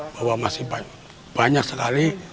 bahwa masih banyak sekali